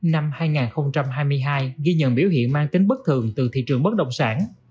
năm hai nghìn hai mươi hai ghi nhận biểu hiện mang tính bất thường từ thị trường bất động sản